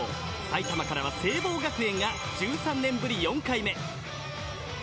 埼玉からは聖望学園が１９年ぶり４回目。